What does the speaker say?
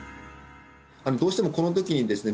どうしてもこのときにですね